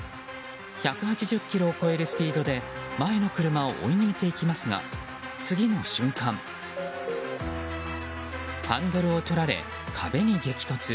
１８０キロを超えるスピードで前の車を追い抜いていきますが、次の瞬間ハンドルを取られ、壁に激突。